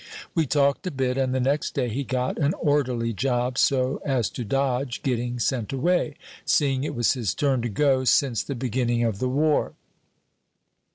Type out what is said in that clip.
We talked a bit, and the next day he got an orderly job so as to dodge getting sent away, seeing it was his turn to go since the beginning of the war.